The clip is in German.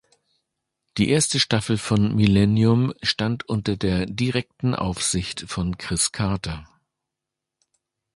Die erste Staffel von "Millennium" stand unter der direkten Aufsicht von Chris Carter.